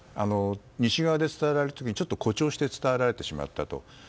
西側で伝えられる時にちょっと誇張されて伝えられてしまったと。